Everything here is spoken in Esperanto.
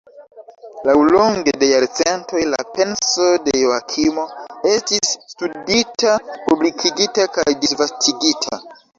Laŭlonge de jarcentoj la penso de Joakimo estis studita, publikigita kaj disvastigita.